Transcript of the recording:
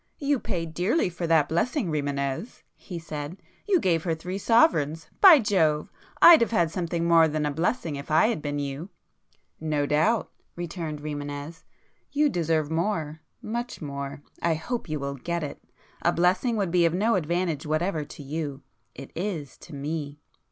"You paid dearly for that blessing, Rimânez!" he said—"You gave her three sovereigns;—by Jove! I'd have had something more than a blessing if I had been you." "No doubt!" returned Rimânez—"You deserve more,—much more! I hope you will get it! A blessing would be of no advantage whatever to you;—it is, to me."